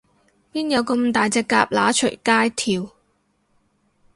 邊有噉大隻蛤乸隨街跳